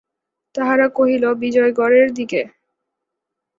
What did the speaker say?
তাহারা কহিল, বিজয়গড়ের দিকে।